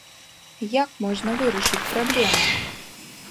Як можна вырашыць праблему?